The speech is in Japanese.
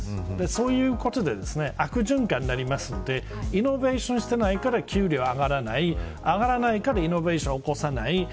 そういうことで悪循環になるのでイノベーションしていないから給料が上がらない上がらないからイノベーションを起こさない。